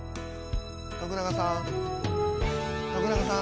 徳永さん？